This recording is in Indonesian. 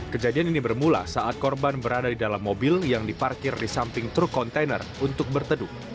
kejadian ini bermula saat korban berada di dalam mobil yang diparkir di samping truk kontainer untuk berteduh